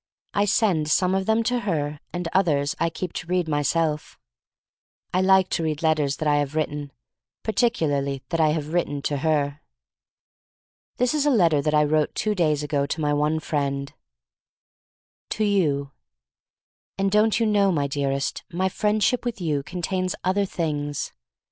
I send some of them to her and others I keep to read myself. I like to read letters tha< I have written — particularly that I have written to her. This is a letter that I wrote two days ago to my one friend: "To you: — "And don't you know, my dearest, my friendship with you contains other things?